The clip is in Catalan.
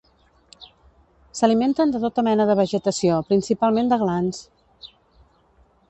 S'alimenten de tota mena de vegetació, principalment de glans.